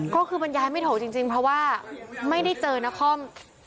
ก็คือบรรยายไม่โถจริงเพราะว่าไม่ได้เจอนคร